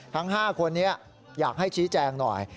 ทั้ง๕คนนี้อยากให้ชี้แจงหน่อย